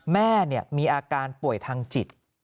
แม่มีอาการป่วยทางจิต